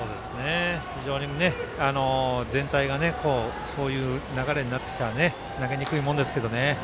非常に全体がそういう流れになってきたら投げにくいもんですけどね。